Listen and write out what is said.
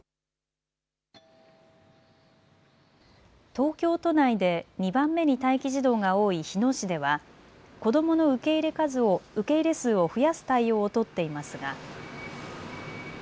東京都内で２番目に待機児童が多い日野市では子どもの受け入れ数を増やす対応を取っていますが。